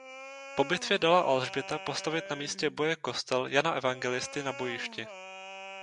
Po bitvě dala Alžběta postavit na místě boje kostel Jana Evangelisty Na bojišti.